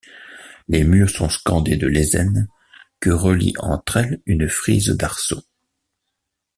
Les murs sont scandés de lésènes, que relie entre elles une frise d’arceaux.